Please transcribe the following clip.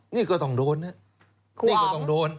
นี่ก็ต้องโดนนะนี่ก็ต้องโดน